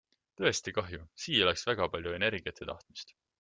Tõesti kahju - siia läks väga palju energiat ja tahtmist.